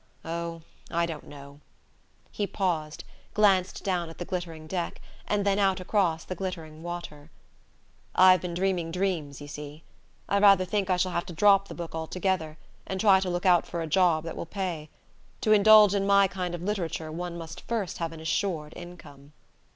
"Oh, I don't know." He paused, glanced down the glittering deck, and then out across the glittering water. "I've been dreaming dreams, you see. I rather think I shall have to drop the book altogether, and try to look out for a job that will pay. To indulge in my kind of literature one must first have an assured income."